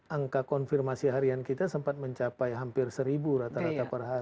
angka konfirmasi harian kita sempat mencapai hampir seribu rata rata per hari